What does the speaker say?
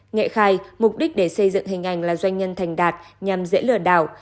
nghệ khai mục đích để xây dựng hình ảnh là doanh nhân thành đạt nhằm dễ lừa đảo